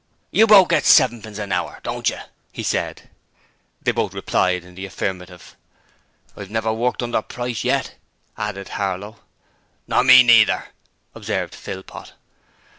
'You both get sevenpence an hour, don't you?' he said. They both replied to the affirmative. 'I've never worked under price yet,' added Harlow. 'Nor me neither,' observed Philpot.